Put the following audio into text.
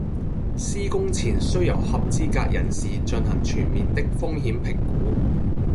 施工前須由合資格人士進行全面的風險評估